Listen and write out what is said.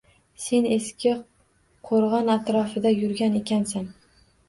Sen eski qo‘rg‘on atrofida yurgan ekansan